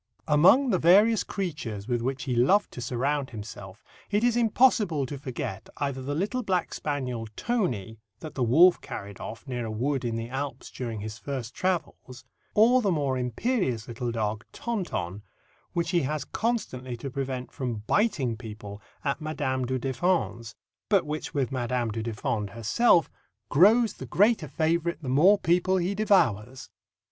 Among the various creatures with which he loved to surround himself, it is impossible to forget either the little black spaniel, Tony, that the wolf carried off near a wood in the Alps during his first travels, or the more imperious little dog, Tonton, which he has constantly to prevent from biting people at Madame du Deffand's, but which with Madame du Deffand herself "grows the greater favourite the more people he devours."